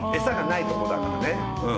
餌がないとこだからね。